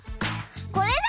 これだ！